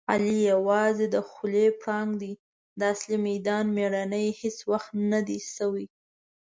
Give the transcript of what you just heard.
علي یووازې د خولې پړانګ دی. د اصلي میدان مېړنی هېڅ وخت ندی شوی.